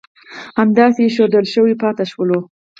همداسې اېښودل شوي پاتې شول.